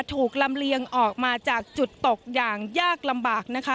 ลำเลียงออกมาจากจุดตกอย่างยากลำบากนะคะ